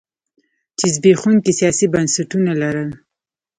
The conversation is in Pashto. چې زبېښونکي سیاسي بنسټونه لرل.